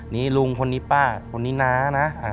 นี่ลุงคนนี้ป้าคนนี้น้านะ